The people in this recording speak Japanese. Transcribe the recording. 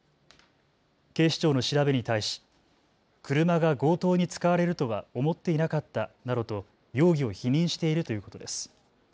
警視庁の調べに対し、車が強盗に使われるとは思っていなかったなどと容疑を否認しているということです。